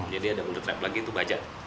jadi ada bullet trap lagi itu bajak